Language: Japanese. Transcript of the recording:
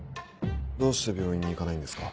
どうして病院に行かないんですか？